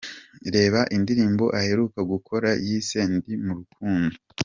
Reba indirimbo aheruka gukora yise 'Ndi mu rukundo'.